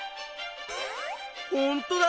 ほんとだ。